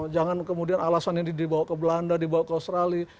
jangan kemudian alasan ini dibawa ke belanda dibawa ke australia